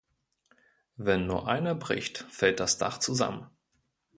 Wenn nur einer bricht, fällt das Dach zusammen.